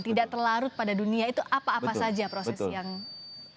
tidak terlarut pada dunia itu apa apa saja proses yang diperlukan